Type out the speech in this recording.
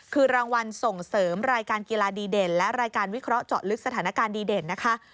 คือรางวัลส่งเสริมรายการกีฬาดีเด่นและรายการวิเคราะห์เจาะลึกสถานการณ์ดีเด่นนะคะ